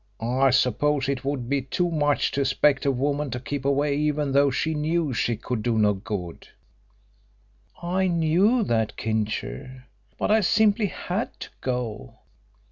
I suppose it would be too much to expect a woman to keep away even though she knew she could do no good." "I knew that, Kincher, but I simply had to go.